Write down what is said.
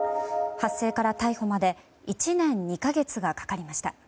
発生から逮捕まで１年２か月がかかりました。